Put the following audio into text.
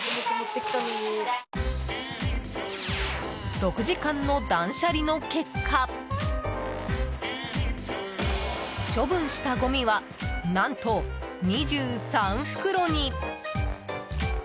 ６時間の断捨離の結果処分したごみは何と２３袋に！